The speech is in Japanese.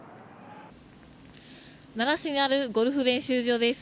奈良市にあるゴルフ練習場です。